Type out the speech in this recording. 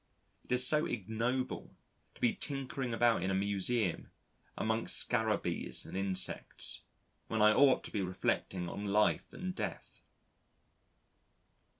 It is so ignoble to be tinkering about in a Museum among Scarabees and insects when I ought to be reflecting on life and death.